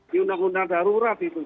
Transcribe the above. di undang undang darurat itu